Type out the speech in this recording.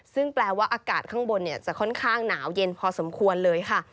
ซึ่งแปลว่าอากาศข้างบนจะค่อนข้างหนาวเย็นพอสมควรเลยค่ะ